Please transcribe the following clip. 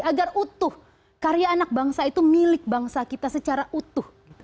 agar utuh karya anak bangsa itu milik bangsa kita secara utuh